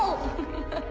フフフ。